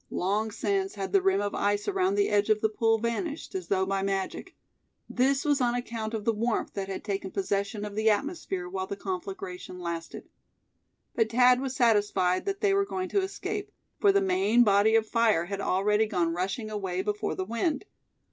Long since had the rim of ice around the edge of the pool vanished, as though by magic; this was on account of the warmth that had taken possession of the atmosphere while the conflagration lasted. But Thad was satisfied that they were going to escape, for the main body of fire had already gone rushing away before the wind.